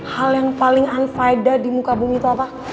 hal yang paling unfaida di muka bumi itu apa